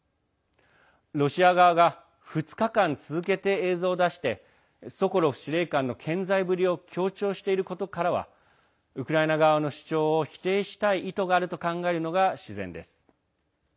ロシア側が２日間続けて、映像を出してソコロフ司令官の健在ぶりを強調していることからはウクライナ側の主張を否定したい意図があると考えるのが自然です。